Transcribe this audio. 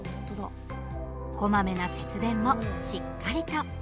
こまめな節電もしっかりと。